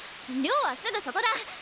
寮はすぐそこだ。